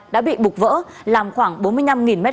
đã bị bục vỡ làm khoảng bốn mươi năm mét